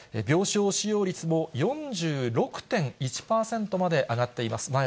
病床使用率も４６．１％まで上がっています。